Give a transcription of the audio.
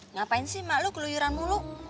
ngapain sih mak lu keluyuran mulu